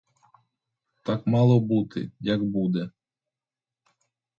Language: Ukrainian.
Так мало бути, як буде.